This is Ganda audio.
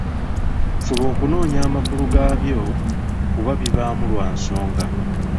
Fuba okunoonya amakulu gaabyo kuba bibaamu lwa nsonga.